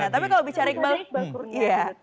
sebut saja iqbal kurniadi